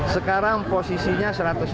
sekarang posisinya satu ratus empat